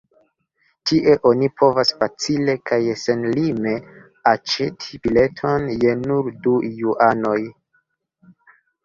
Ĉie oni povas facile kaj senlime aĉeti bileton je nur du juanoj.